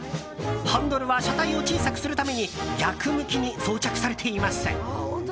ハンドルは車体を小さくするために逆向きに装着されています。